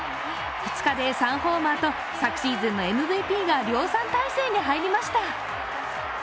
２日で３ホーマーと昨シーズンのＭＶＰが量産態勢に入りました。